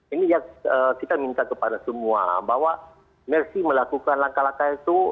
ini yang kita minta kepada semua bahwa mersi melakukan langkah langkah itu